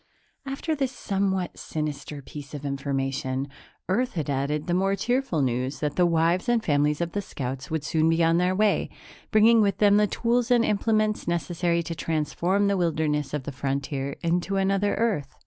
After this somewhat sinister piece of information, Earth had added the more cheerful news that the wives and families of the scouts would soon be on their way, bringing with them the tools and implements necessary to transform the wilderness of the frontier into another Earth.